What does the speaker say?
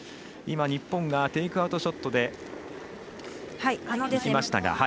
今、日本がテイクアウトショットでいきましたが。